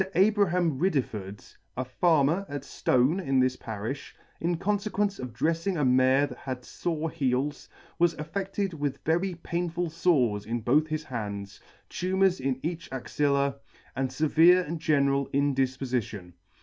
ABRAHAM RIDDIFORD, a Farmer at Stone in this parilh, in confequence of dreffing a mare that had fore heels, was affedted with very painful fores in both his hands, tumours in each axilla, and fevere and general 'indifpolition.